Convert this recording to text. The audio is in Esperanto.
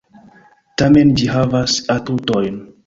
Tamen ĝi havas atutojn...